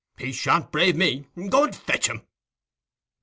He shan't brave me. Go and fetch him."